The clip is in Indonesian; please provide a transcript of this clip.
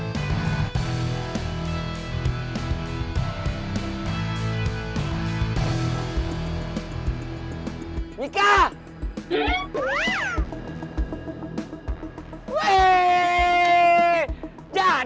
tidak ada bucinan iri